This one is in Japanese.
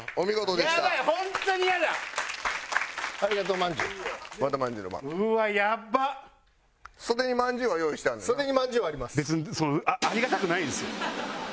別にそんなありがたくないんですよ。